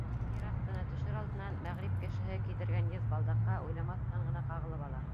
Ер аҫтына төшөр алдынан мәғриб кешеһе кейҙергән еҙ балдаҡҡа уйламаҫтан ғына ҡағылып ала.